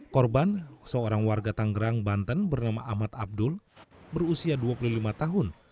korban seorang warga tanggerang banten bernama ahmad abdul berusia dua puluh lima tahun